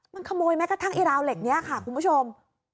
มันขโมยแม้กระทั่งไอ้ราวเหล็กนี้ค่ะคุณผู้ชม